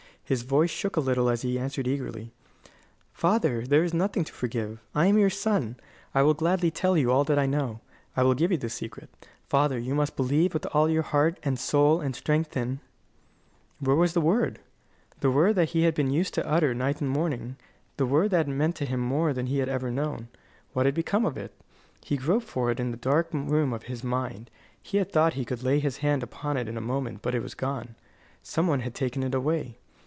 His voice shook a little as he answered eagerly: "Father, there is nothing to forgive. I am your son; I will gladly tell you all that I know. I will give you the secret. Father, you must believe with all your heart, and soul, and strength in " Where was the word the word that he had been used to utter night and morning, the word that had meant to him more than he had ever known? What had become of it? He groped for it in the dark room of his mind. He had thought he could lay his hand upon it in a moment, but it was gone. Some one had taken it away.